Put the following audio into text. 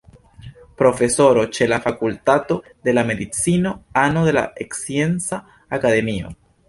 Profesoro ĉe la Fakultato de la Medicino, ano de la Scienca Akademio.